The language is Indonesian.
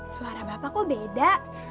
suara bapak kok beda